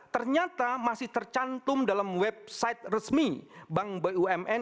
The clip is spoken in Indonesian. ternyata masih tercantum dalam website resmi bank bumn